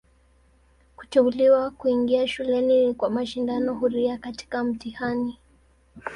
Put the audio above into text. Kuteuliwa kuingia shuleni ni kwa mashindano huria katika mtihani.